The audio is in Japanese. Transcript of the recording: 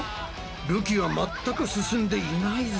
るきは全く進んでいないぞ。